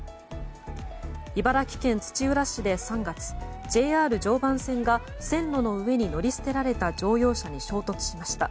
茨城県土浦市で３月ＪＲ常磐線が線路の上に乗り捨てられた乗用車に衝突しました。